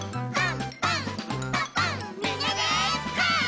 パン！